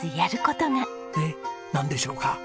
えっなんでしょうか？